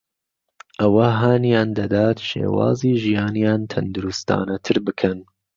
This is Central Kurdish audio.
ئەوە هانیان دەدات شێوازی ژیانیان تەندروستانەتر بکەن